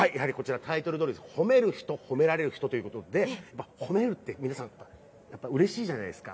タイトルどおり褒めるひと褒められるひとということで褒めるって皆さん、うれしいじゃないですか。